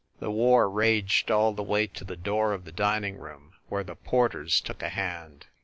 The war raged all the way to the door of the dining room, where the porters took a hand.